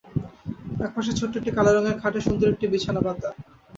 এক পাশে ছোট্ট একটি কালো রঙের খাটে সুন্দর একটি বিছানা পাতা।